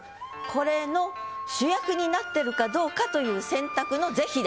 これの主役になってるかどうかという選択の是非です。